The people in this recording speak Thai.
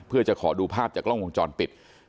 เพื่อจะขอดูภาพจากกล้องวงจรปิด